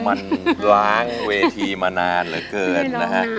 มันล้างเวทีมานานเหลือเกินนะฮะ